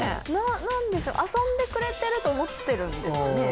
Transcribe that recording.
何でしょう、遊んでくれてると思ってるんですかね。